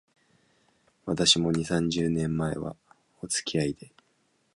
私も、二、三十年前は、おつきあいで